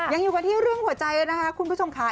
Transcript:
ยังอยู่กันที่เรื่องหัวใจนะคะคุณผู้ชมค่ะ